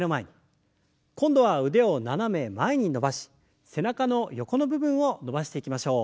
今度は腕を斜め前に伸ばし背中の横の部分を伸ばしていきましょう。